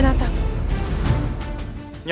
tidak ada yang bisa membantu